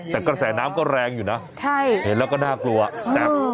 แต่กระแสน้ำก็แรงอยู่นะใช่เห็นแล้วก็น่ากลัวแต่